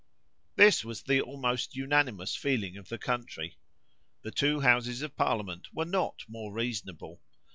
This was the almost unanimous feeling of the country. The two Houses of Parliament were not more reasonable.